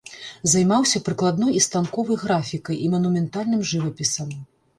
Займаўся прыкладной і станковай графікай, і манументальным жывапісам.